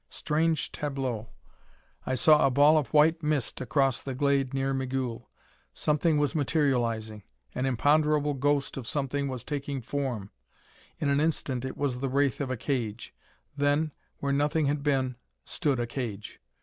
Strange tableau! I saw a ball of white mist across the glade near Migul. Something was materializing; an imponderable ghost of something was taking form. In an instant it was the wraith of a cage; then, where nothing had been, stood a cage.